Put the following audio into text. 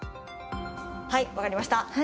はい分かりました。